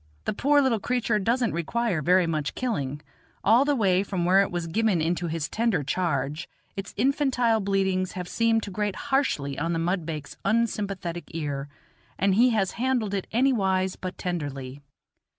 The poor little creature doesn't require very much killing; all the way from where it was given into his tender charge its infantile bleatings have seemed to grate harshly on the mudbake's unsympathetic ear, and he has handled it anywise but tenderly.